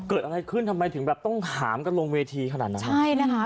เกิดอะไรขึ้นทำไมถึงแบบต้องถามกันลงเวทีขนาดนั้นใช่นะคะ